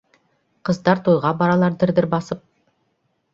Ҡыздар туйға баралар дер-дер басып